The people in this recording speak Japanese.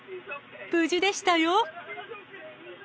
無事でしたよ。